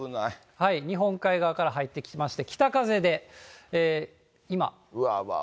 日本海側から入ってきまして、わーわーわー。